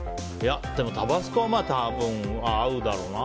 タバスコは多分、合うだろうな。